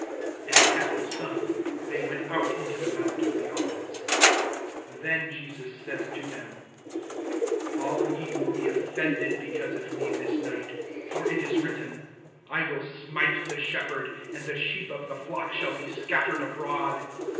(30)And having sung, they went out into the mount of the Olives. (31)Then Jesus says to them: All ye will be offended because of me this night. For it is written: I will smite the Shepherd, and the sheep of the flock shall be scattered abroad.